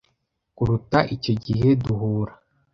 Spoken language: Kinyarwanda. kuruta icyo gihe duhura